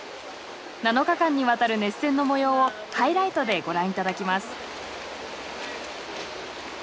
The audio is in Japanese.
７日間にわたる熱戦の模様をハイライトでご覧いただきます。